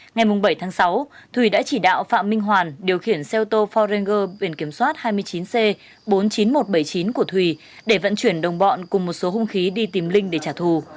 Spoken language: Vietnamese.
ngày bảy tháng sáu thùy đã chỉ đạo phạm minh hoàn điều khiển xe ô tô forrenger biển kiểm soát hai mươi chín c bốn mươi chín nghìn một trăm bảy mươi chín của thùy để vận chuyển đồng bọn cùng một số hung khí đi tìm linh để trả thù